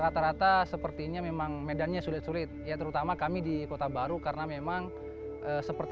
rata rata sepertinya memang medannya sulit sulit ya terutama kami di kota baru karena memang seperti